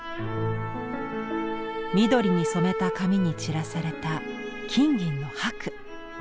緑に染めた紙に散らされた金銀のはく。